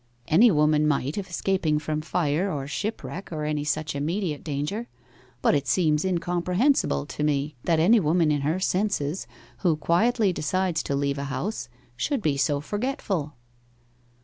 'Any woman might if escaping from fire or shipwreck, or any such immediate danger. But it seems incomprehensible to me that any woman in her senses, who quietly decides to leave a house, should be so forgetful.